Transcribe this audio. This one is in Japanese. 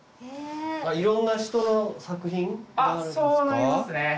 いろんな人の作品なんですか？